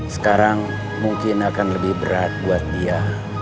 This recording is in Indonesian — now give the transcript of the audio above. sekarang mungkin akan lebih berat buat dia